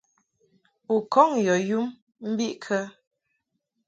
U kɔŋ yɔ yum mbiʼkə?